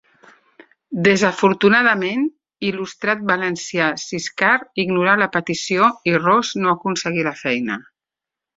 Desafortunadament, l'il·lustrat valencià Siscar ignorà la petició i Ros no aconseguí la feina.